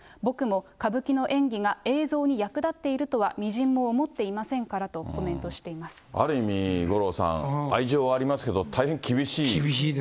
歌舞伎の演技が映像に役立っているとはみじんも思っていませんかある意味、五郎さん、愛情ありますけど、大変厳しい。